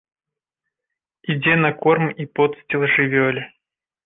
Ідзе на корм і подсціл жывёле.